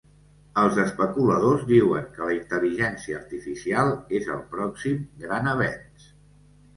Els especuladors diuen que la intel·ligència artificial és el pròxim gran avenç.